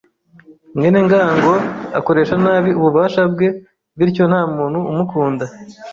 mwene ngango akoresha nabi ububasha bwe, bityo ntamuntu umukunda.